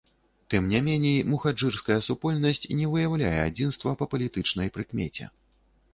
Тым не меней, мухаджырская супольнасць не выяўляе адзінства па палітычнай прыкмеце.